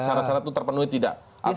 sarat sarat itu terpenuhi tidak